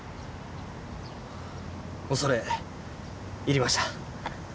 恐れ入りました。